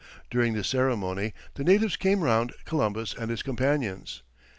During this ceremony the natives came round Columbus and his companions.